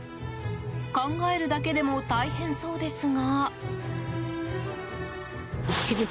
考えるだけでも大変そうですが。